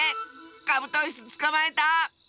カブトイスつかまえた！